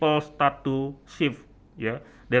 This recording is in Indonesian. orang orang mulai mengubah